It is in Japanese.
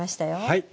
はい。